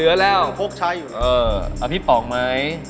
เอาพี่ป๋องไหม